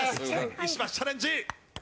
石橋チャレンジ！